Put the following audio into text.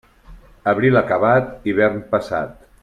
Abril acabat, hivern passat.